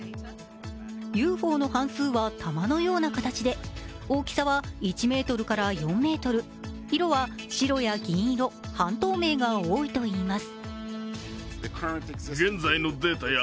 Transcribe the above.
ＵＦＯの半数は球のような形で大きさは１ｍから４ｍ、色は白や銀色、半透明が多いといいます。